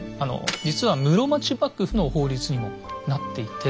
実は室町幕府の法律にもなっていて。